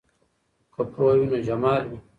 که پوهه وي نو جمال وي.